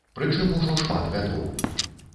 Прычым, ужо шмат гадоў.